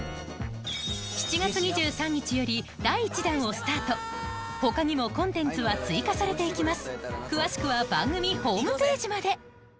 ７月２３日より他にもコンテンツは追加されていきます